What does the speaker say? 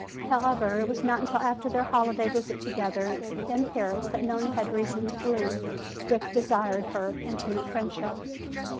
However, it was not until after their holiday visit together in Paris that Nona had reason to believe Dick desired her intimate friendship.